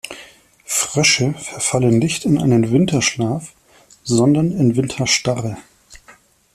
Frösche verfallen nicht in einen Winterschlaf, sondern in Winterstarre.